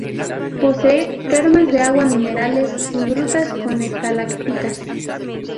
Posee termas de aguas minerales y grutas con estalactitas.